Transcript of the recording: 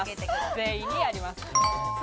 全員にあります。